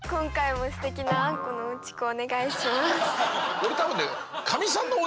俺多分ね